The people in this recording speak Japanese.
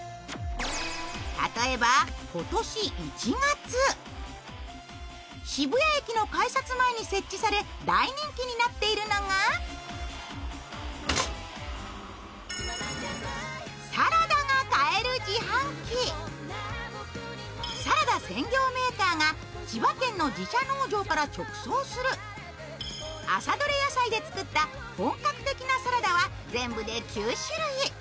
例えば今年１月、渋谷駅の改札前に設置され大人気になっているのがサラダ専業メーカーが千葉県の自社農場から直送する、朝どれ野菜で作った本格的なサラダは全部で９種類。